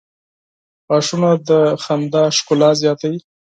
• غاښونه د مسکا ښکلا زیاتوي.